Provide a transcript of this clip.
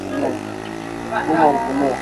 Ugumu wa kupumua